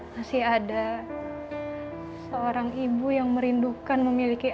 masih ada seorang ibu yang merindukan memiliki